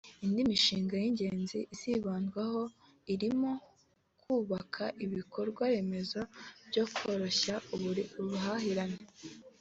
Indi mishinga y’ingenzi izibandwaho irimo kubaka ibikorwa remezo byo koroshya ubuhahirane